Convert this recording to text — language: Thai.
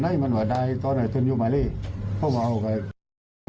ต้องทำจอยให้พวกคุณมาเลี่ยงนะ